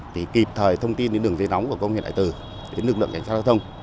thì kịp thời thông tin đến đường dây nóng của công an huyện hải từ đến lực lượng cảnh sát giao thông